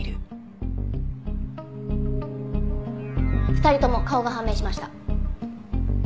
２人とも顔が判明しました。